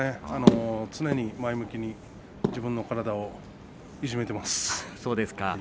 常に前向きに自分の体をいじめています。